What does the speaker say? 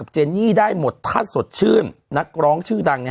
เจนี่ได้หมดถ้าสดชื่นนักร้องชื่อดัง